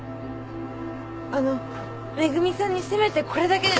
あの恵さんにせめてこれだけでも。